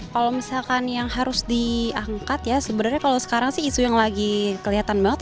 kalau misalkan yang harus diangkat ya sebenarnya kalau sekarang sih isu yang lagi kelihatan banget